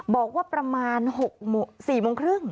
บอกว่าประมาณ๔โมงครึ่ง